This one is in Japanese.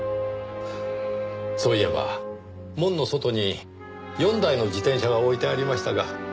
そういえば門の外に４台の自転車が置いてありましたが。